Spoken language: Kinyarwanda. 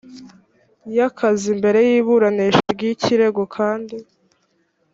y akazi mbere y iburanisha ry ikirego kandi